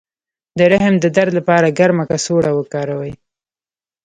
د رحم د درد لپاره ګرمه کڅوړه وکاروئ